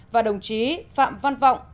và đồng chí phạm văn vọng